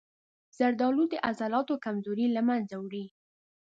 زردآلو د عضلاتو کمزوري له منځه وړي.